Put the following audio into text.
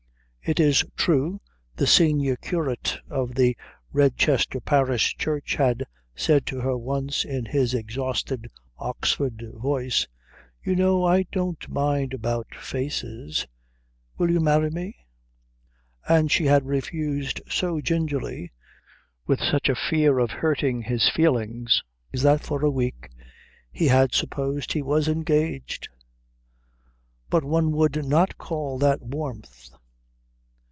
It is true the senior curate of the Redchester parish church had said to her once in his exhausted Oxford voice, "You know, I don't mind about faces will you marry me?" and she had refused so gingerly, with such fear of hurting his feelings, that for a week he had supposed he was engaged; but one would not call that warmth.